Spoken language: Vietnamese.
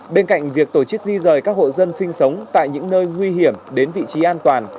bên cạnh việc tổ chức di rời các hộ dân sinh sống tại những nơi nguy hiểm đến vị trí an toàn